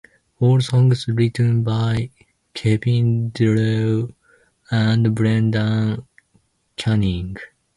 All songs written by Kevin Drew and Brendan Canning.